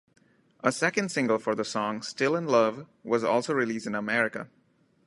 A second single for the song "Still in Love" was also released in America.